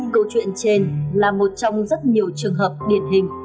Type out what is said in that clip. câu chuyện trên là một trong rất nhiều trường hợp điển hình